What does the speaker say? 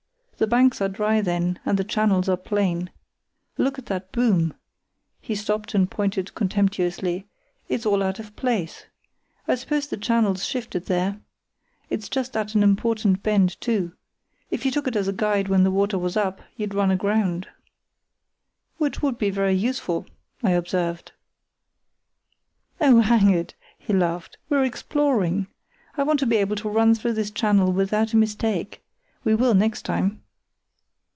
The banks are dry then, and the channels are plain. Look at that boom"—he stopped and pointed contemptuously—"it's all out of place. I suppose the channel's shifted there. It's just at an important bend too. If you took it as a guide when the water was up you'd run aground." "Which would be very useful," I observed. "Oh, hang it!" he laughed, "we're exploring. I want to be able to run through this channel without a mistake. We will, next time."